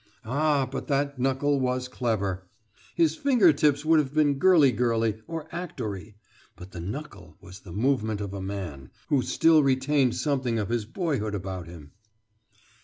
Ah, but that knuckle was clever! His fingertips would have been girly girly or actory, but the knuckle was the movement of a man, who still retained something of his boyhood about him."